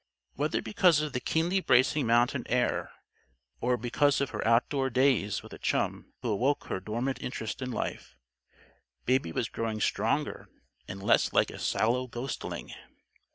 Whether because of the keenly bracing mountain air or because of her outdoor days with a chum who awoke her dormant interest in life, Baby was growing stronger and less like a sallow ghostling.